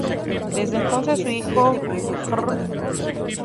Desde entonces su hijo Jr.